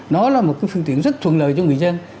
nó là một phương tiện rất thuận lợi cho người dân